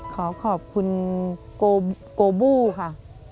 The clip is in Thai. ขอขอบคุณโกบูค่ะ